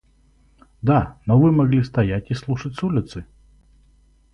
– Да, но вы могли стоять и слушать с улицы.